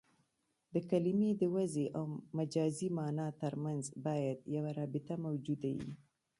د کلمې د وضعي او مجازي مانا ترمنځ باید یوه رابطه موجوده يي.